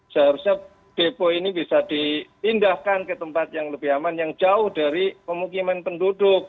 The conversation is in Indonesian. seharusnya depo ini bisa dipindahkan ke tempat yang lebih aman yang jauh dari pemukiman penduduk